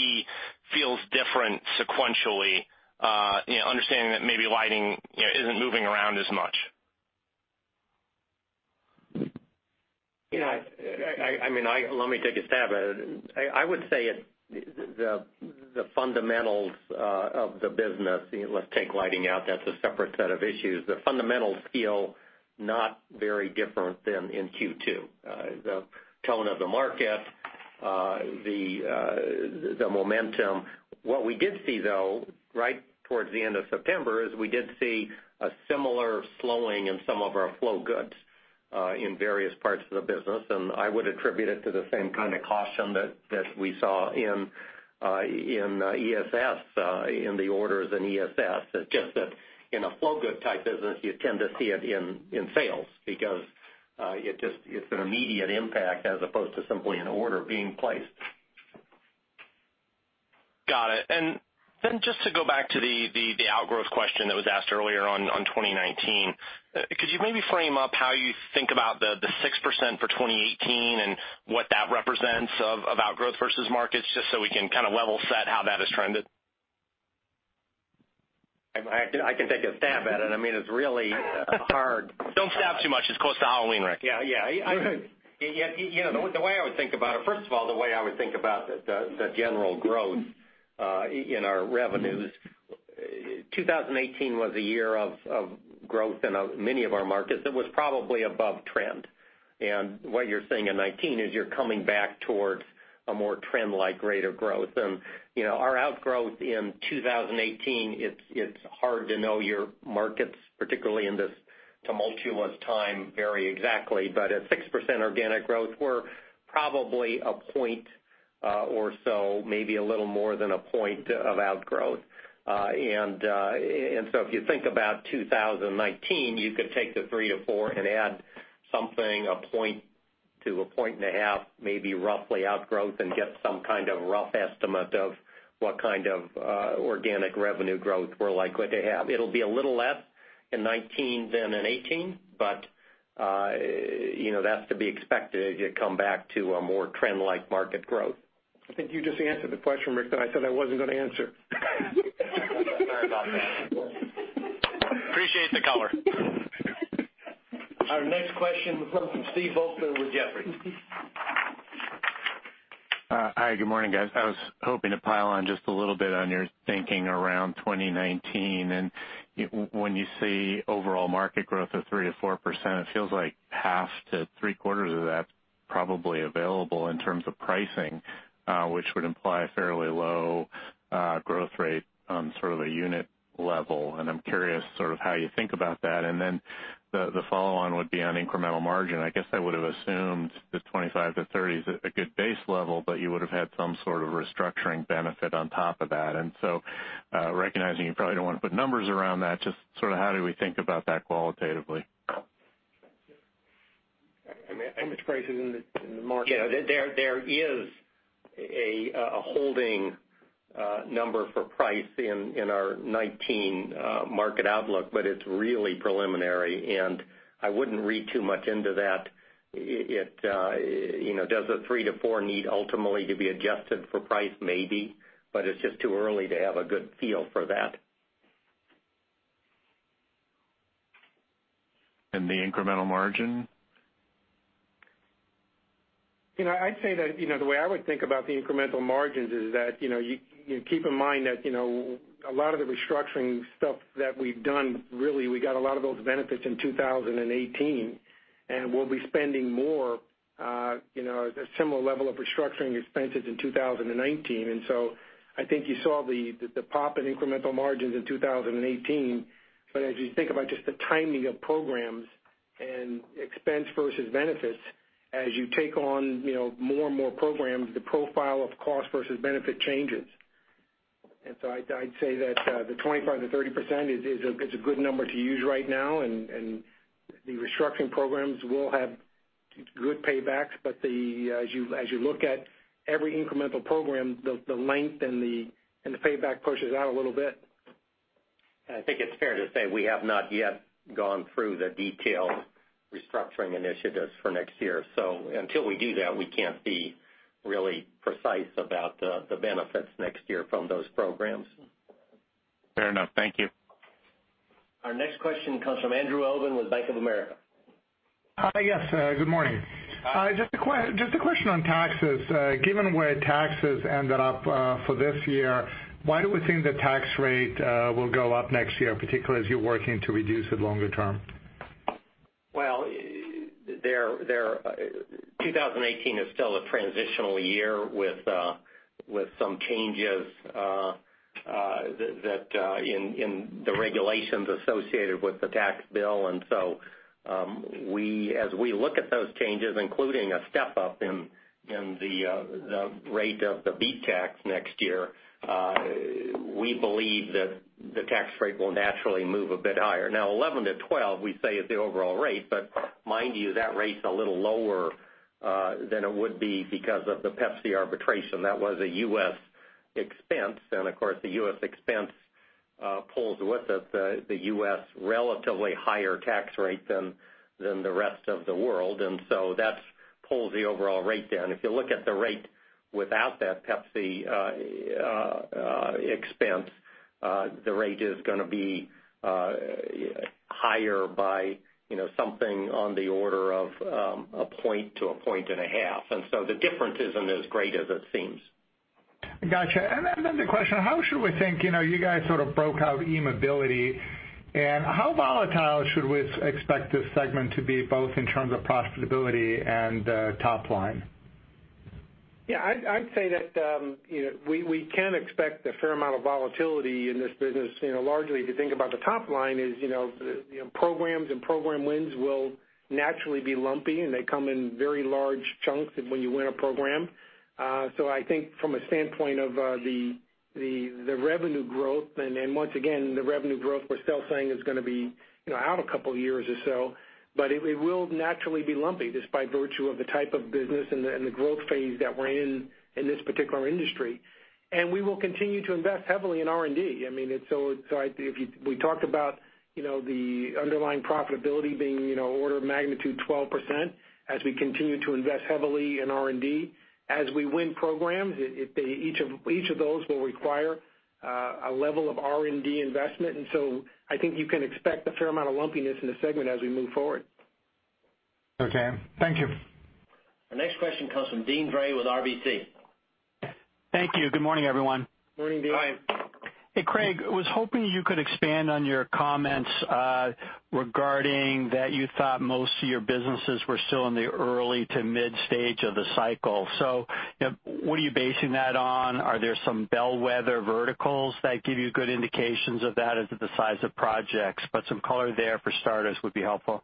feels different sequentially, understanding that maybe lighting isn't moving around as much. Let me take a stab at it. I would say the fundamentals of the business, let's take lighting out, that's a separate set of issues. The fundamentals feel not very different than in Q2. The tone of the market, the momentum. What we did see, though, right towards the end of September, is we did see a similar slowing in some of our flow goods, in various parts of the business. I would attribute it to the same kind of caution that we saw in ESS, in the orders in ESS. It's just that in a flow good type business, you tend to see it in sales because it's an immediate impact as opposed to simply an order being placed. Got it. Just to go back to the outgrowth question that was asked earlier on 2019, could you maybe frame up how you think about the 6% for 2018 and what that represents of outgrowth versus markets, just so we can kind of level set how that has trended? I can take a stab at it. It's really hard. Don't stab too much, it's close to Halloween, Rick. Yeah. The way I would think about it, first of all, the way I would think about the general growth in our revenues, 2018 was a year of growth in many of our markets. It was probably above trend. What you're seeing in 2019 is you're coming back towards a more trend-like rate of growth. Our outgrowth in 2018, it's hard to know your markets, particularly in this tumultuous time, very exactly. But at 6% organic growth, we're probably a point or so, maybe a little more than a point of outgrowth. So if you think about 2019, you could take the three to four and add something, a point to a point and a half, maybe roughly outgrowth and get some kind of rough estimate of what kind of organic revenue growth we're likely to have. It'll be a little less in 2019 than in 2018, but that's to be expected as you come back to a more trend-like market growth. I think you just answered the question, Rick, that I said I wasn't going to answer. Sorry about that. Appreciate the color. Our next question comes from Steve Volkmann with Jefferies. Hi, good morning, guys. I was hoping to pile on just a little bit on your thinking around 2019. When you see overall market growth of 3%-4%, it feels like half to three-quarters of that's probably available in terms of pricing, which would imply a fairly low growth rate on sort of a unit level. I'm curious sort of how you think about that. Then the follow-on would be on incremental margin. I guess I would have assumed the 25%-30% is a good base level, but you would have had some sort of restructuring benefit on top of that. Recognizing you probably don't want to put numbers around that, just sort of how do we think about that qualitatively? I mean, input prices in the market. There is a holding number for price in our 2019 market outlook. It's really preliminary, and I wouldn't read too much into that. Does a 3%-4% need ultimately to be adjusted for price? Maybe, it's just too early to have a good feel for that. The incremental margin? I'd say that the way I would think about the incremental margins is that, keep in mind that a lot of the restructuring stuff that we've done, really, we got a lot of those benefits in 2018, and we'll be spending more at a similar level of restructuring expenses in 2019. I think you saw the pop in incremental margins in 2018. As you think about just the timing of programs and expense versus benefits, as you take on more and more programs, the profile of cost versus benefit changes. I'd say that the 25%-30% is a good number to use right now, and the restructuring programs will have good paybacks. As you look at every incremental program, the length and the payback pushes out a little bit. I think it's fair to say we have not yet gone through the detailed restructuring initiatives for next year. Until we do that, we can't be really precise about the benefits next year from those programs. Fair enough. Thank you. Our next question comes from Andrew Obin with Bank of America. Hi, yes. Good morning. Hi. Just a question on taxes. Given where taxes ended up for this year, why do we think the tax rate will go up next year, particularly as you're working to reduce it longer term? Well, 2018 is still a transitional year with some changes in the regulations associated with the tax bill. As we look at those changes, including a step-up in the rate of the BEAT tax next year, we believe that the tax rate will naturally move a bit higher. Now, 11%-12%, we say, is the overall rate, but mind you, that rate's a little lower than it would be because of the PepsiCo arbitration. That was a U.S. expense. Of course, the U.S. expense pulls with it the U.S.' relatively higher tax rate than the rest of the world. That pulls the overall rate down. If you look at the rate without that PepsiCo expense, the rate is going to be higher by something on the order of 1 point to 1.5 points. The difference isn't as great as it seems. Got you. The question, you guys sort of broke out eMobility, how volatile should we expect this segment to be, both in terms of profitability and top line? Yeah. I'd say that we can expect a fair amount of volatility in this business. Largely, if you think about the top line is, programs and program wins will naturally be lumpy, and they come in very large chunks when you win a program. I think from a standpoint of the revenue growth, and once again, the revenue growth, we're still saying is going to be out a couple of years or so, but it will naturally be lumpy just by virtue of the type of business and the growth phase that we're in in this particular industry. We will continue to invest heavily in R&D. We talked about the underlying profitability being order of magnitude 12% as we continue to invest heavily in R&D. As we win programs, each of those will require a level of R&D investment. I think you can expect a fair amount of lumpiness in the segment as we move forward. Okay. Thank you. Our next question comes from Deane Dray with RBC. Thank you. Good morning, everyone. Morning, Deane. Hi. Hey, Craig, was hoping you could expand on your comments regarding that you thought most of your businesses were still in the early to mid stage of the cycle. What are you basing that on? Are there some bellwether verticals that give you good indications of that as to the size of projects? Some color there for starters would be helpful.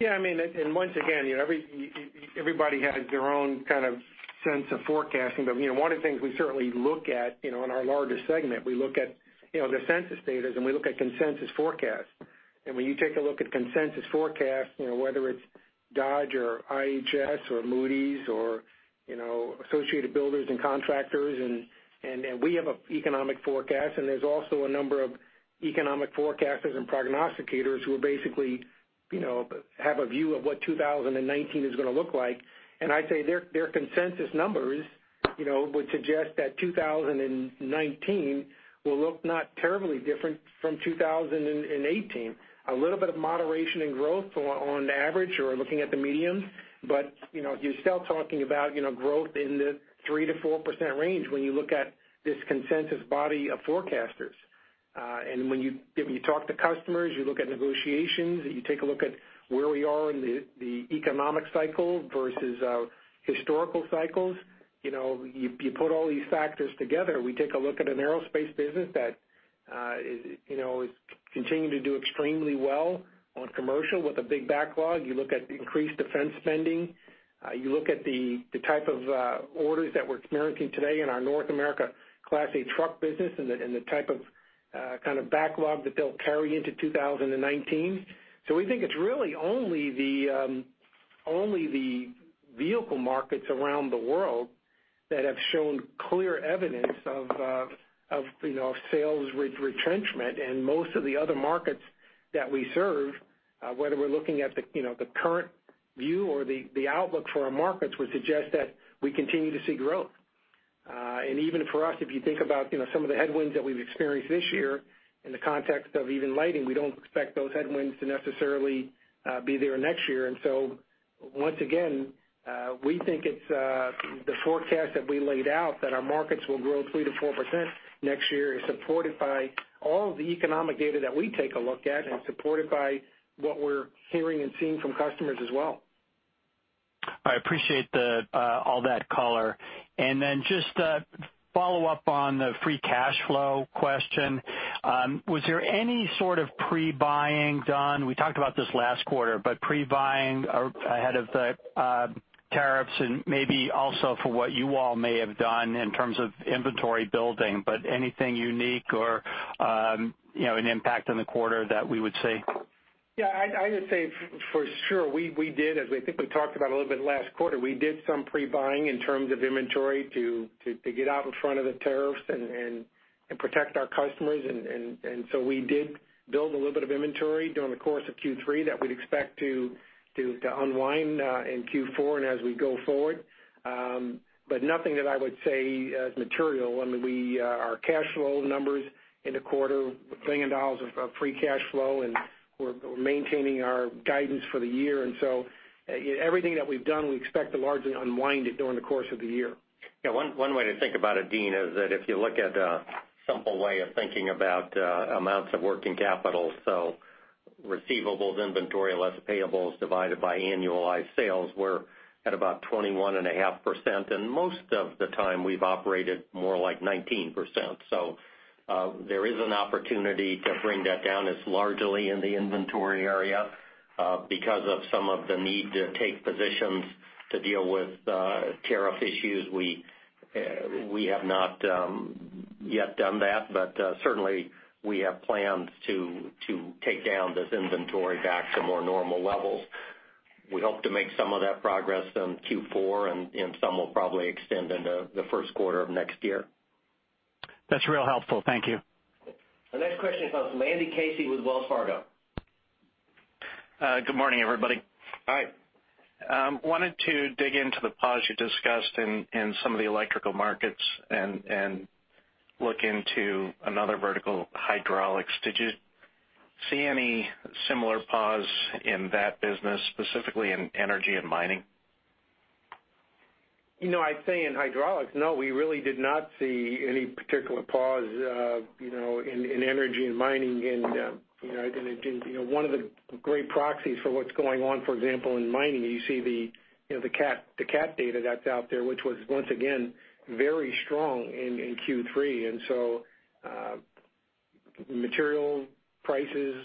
Yeah. Once again, everybody has their own kind of sense of forecasting. One of the things we certainly look at in our larger segment, we look at the census data and we look at consensus forecasts. When you take a look at consensus forecasts, whether it's Dodge or IHS Markit or Moody's or Associated Builders and Contractors, we have an economic forecast, there's also a number of economic forecasters and prognosticators who basically have a view of what 2019 is going to look like. I'd say their consensus numbers would suggest that 2019 will look not terribly different from 2018. A little bit of moderation in growth on average or looking at the medium, you're still talking about growth in the 3%-4% range when you look at this consensus body of forecasters. When you talk to customers, you look at negotiations, you take a look at where we are in the economic cycle versus historical cycles, you put all these factors together. We take a look at an aerospace business that is continuing to do extremely well on commercial with a big backlog. You look at increased defense spending. You look at the type of orders that we're experiencing today in our North America Class 8 truck business and the type of backlog that they'll carry into 2019. We think it's really only the vehicle markets around the world that have shown clear evidence of sales retrenchment. Most of the other markets that we serve, whether we're looking at the current view or the outlook for our markets, would suggest that we continue to see growth. Even for us, if you think about some of the headwinds that we've experienced this year in the context of even lighting, we don't expect those headwinds to necessarily be there next year. Once again, we think it's the forecast that we laid out that our markets will grow 3%-4% next year is supported by all the economic data that we take a look at and supported by what we're hearing and seeing from customers as well. I appreciate all that color. Just a follow-up on the free cash flow question. Was there any sort of pre-buying done? We talked about this last quarter, but pre-buying ahead of the tariffs and maybe also for what you all may have done in terms of inventory building, but anything unique or an impact on the quarter that we would see? Yeah, I would say for sure, we did, as I think we talked about a little bit last quarter, we did some pre-buying in terms of inventory to get out in front of the tariffs and protect our customers. We did build a little bit of inventory during the course of Q3 that we'd expect to unwind in Q4 and as we go forward. Nothing that I would say is material. I mean, our cash flow numbers in the quarter, $1 billion of free cash flow, we're maintaining our guidance for the year. Everything that we've done, we expect to largely unwind it during the course of the year. Yeah, one way to think about it, Deane, is that if you look at a simple way of thinking about amounts of working capital, so receivables, inventory, less payables, divided by annualized sales, we're at about 21.5%. Most of the time we've operated more like 19%. There is an opportunity to bring that down. It's largely in the inventory area. Because of some of the need to take positions to deal with tariff issues, we have not yet done that. Certainly, we have plans to take down this inventory back to more normal levels. We hope to make some of that progress in Q4, and some will probably extend into the first quarter of next year. That's real helpful. Thank you. The next question comes from Andrew Casey with Wells Fargo. Good morning, everybody. Hi. Wanted to dig into the pause you discussed in some of the electrical markets and look into another vertical, hydraulics. Did you see any similar pause in that business, specifically in energy and mining? I'd say in hydraulics, no, we really did not see any particular pause in energy and mining. One of the great proxies for what's going on, for example, in mining, you see the CAT data that's out there, which was once again, very strong in Q3. Material prices,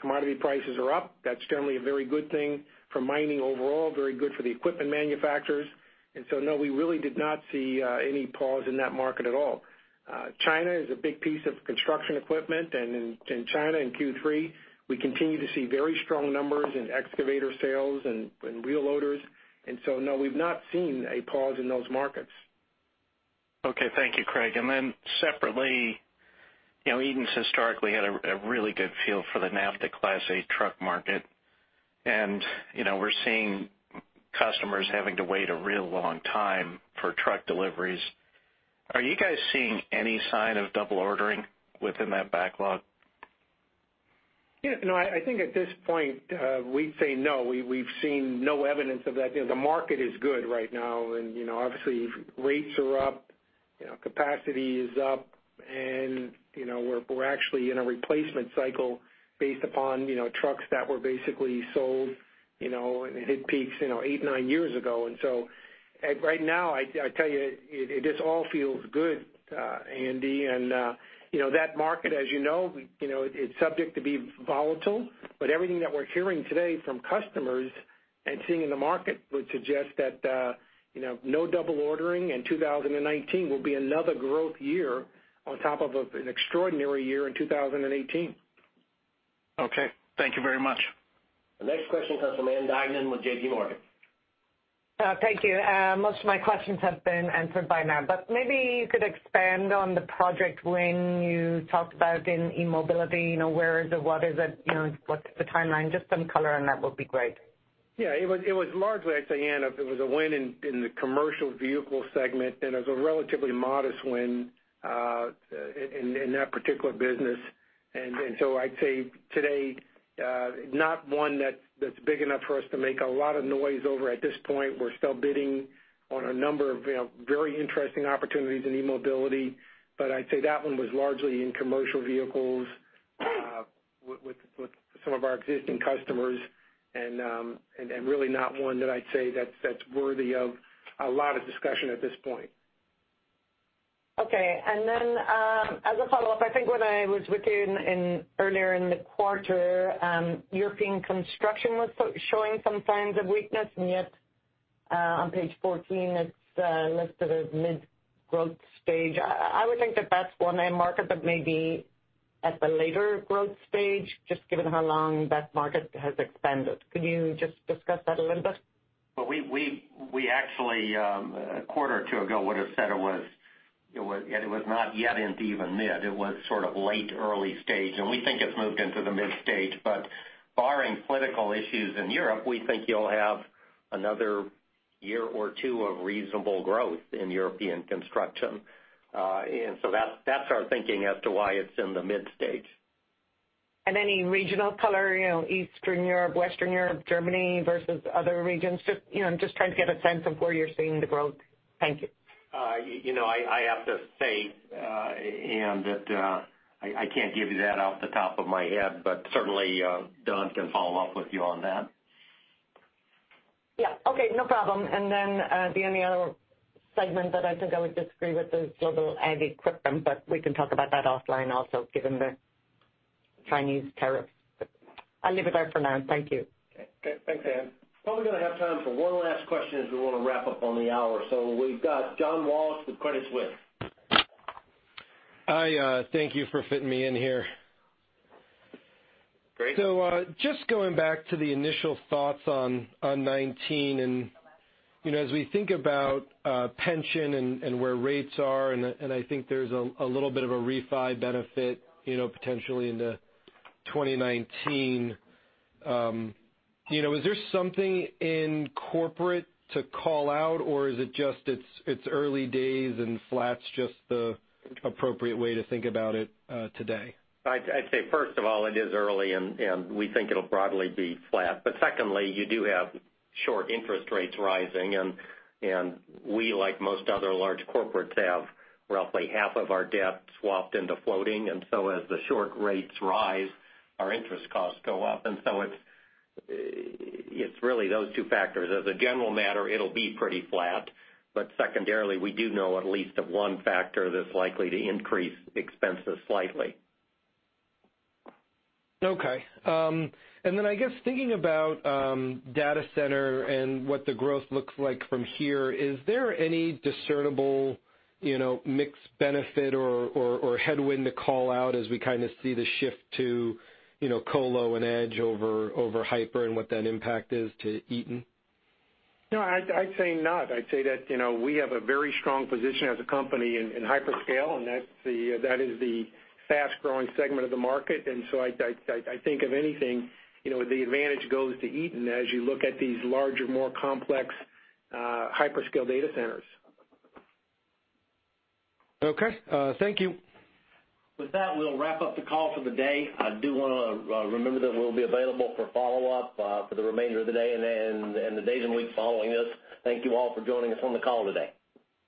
commodity prices are up. That's generally a very good thing for mining overall, very good for the equipment manufacturers. No, we really did not see any pause in that market at all. China is a big piece of construction equipment, and in China in Q3, we continue to see very strong numbers in excavator sales and wheel loaders. No, we've not seen a pause in those markets. Okay. Thank you, Craig. Separately, Eaton's historically had a really good feel for the NAFTA Class 8 truck market. We're seeing customers having to wait a real long time for truck deliveries. Are you guys seeing any sign of double ordering within that backlog? Yeah, no, I think at this point, we'd say no. We've seen no evidence of that. The market is good right now, obviously rates are up, capacity is up, and we're actually in a replacement cycle based upon trucks that were basically sold, and it hit peaks eight, nine years ago. Right now, I tell you, this all feels good, Andy. That market, as you know, it's subject to be volatile, but everything that we're hearing today from customers and seeing in the market would suggest that no double ordering, and 2019 will be another growth year on top of an extraordinary year in 2018. Okay. Thank you very much. The next question comes from Ann Duignan with J.P. Morgan. Thank you. Most of my questions have been answered by now. Maybe you could expand on the project win you talked about in eMobility. Where is it? What is it? What is the timeline? Just some color on that will be great. Yeah. It was largely, I'd say, Ann, it was a win in the commercial vehicle segment, it was a relatively modest win in that particular business. I'd say today, not one that's big enough for us to make a lot of noise over at this point. We are still bidding on a number of very interesting opportunities in eMobility. I'd say that one was largely in commercial vehicles with some of our existing customers, really not one that's worthy of a lot of discussion at this point. Okay. As a follow-up, I think when I was with you earlier in the quarter, European construction was showing some signs of weakness, yet on page 14, it's listed as mid-growth stage. I would think that that's one end market that may be at the later growth stage, just given how long that market has expanded. Could you just discuss that a little bit? Well, we actually, a quarter or two ago, would've said It was not yet into even mid. It was sort of late early stage, we think it's moved into the mid stage. Barring political issues in Europe, we think you'll have another year or two of reasonable growth in European construction. That's our thinking as to why it's in the mid stage. Any regional color, Eastern Europe, Western Europe, Germany versus other regions? Just trying to get a sense of where you're seeing the growth. Thank you. I have to say, Ann, that I can't give you that off the top of my head, but certainly Don can follow up with you on that. Yeah. Okay, no problem. The only other segment that I think I would disagree with is global ag equipment, but we can talk about that offline also given the Chinese tariffs. I'll leave it there for now. Thank you. Okay. Thanks, Ann. Probably going to have time for one last question, as we want to wrap up on the hour. We've got John Walsh with Credit Suisse. Hi. Thank you for fitting me in here. Great. Just going back to the initial thoughts on 2019, and as we think about pension and where rates are, I think there's a little bit of a refi benefit, potentially into 2019. Is there something in corporate to call out, or is it just it's early days and flat's just the appropriate way to think about it today? I'd say, first of all, it is early and we think it'll broadly be flat. Secondly, you do have short interest rates rising, and we, like most other large corporates, have roughly half of our debt swapped into floating. As the short rates rise, our interest costs go up. It's really those two factors. As a general matter, it'll be pretty flat. Secondarily, we do know at least of one factor that's likely to increase expenses slightly. Okay. I guess thinking about data center and what the growth looks like from here, is there any discernible mixed benefit or headwind to call out as we kind of see the shift to colo and edge over hyper, and what that impact is to Eaton? No, I'd say not. I'd say that we have a very strong position as a company in hyperscale, and that is the fast-growing segment of the market. I think if anything, the advantage goes to Eaton as you look at these larger, more complex hyperscale data centers. Okay. Thank you. With that, we'll wrap up the call for the day. I do want to remember that we'll be available for follow-up for the remainder of the day and the days and weeks following this. Thank you all for joining us on the call today.